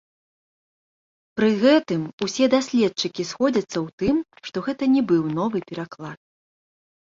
Пры гэтым усе даследчыкі сходзяцца ў тым, што гэта не быў новы пераклад.